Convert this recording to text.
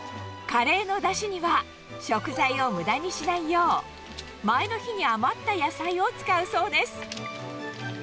カレーのだしには、食材をむだにしないよう、前の日に余った野菜を使うそうです。